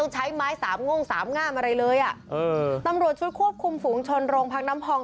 ใช้ไม้สามง่งสามงามอะไรเลยอ่ะเออตำรวจชุดควบคุมฝูงชนโรงพักน้ำพอง